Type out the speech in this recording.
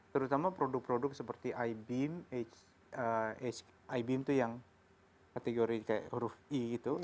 terutama produk produk seperti ibeam ibeam itu yang kategori kayak huruf i gitu